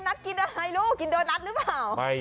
ไม่รู้กินโดนัทหรือเปล่า